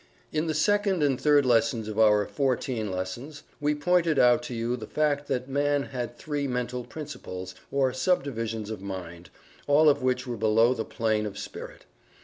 In the second and third lessons of our "Fourteen Lessons," we pointed out to you the fact that man had three Mental Principles, or subdivisions of mind, all of which were below the plane of Spirit.